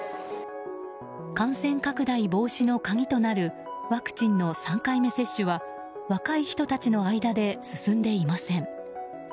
感染拡大防止の鍵となるワクチンの３回目接種は若い人たちの間で進んでいません。